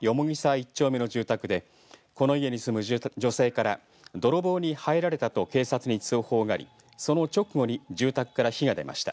１丁目の住宅でこの家に住む女性から泥棒に入られたと警察に通報がありその直後に住宅から火が出ました。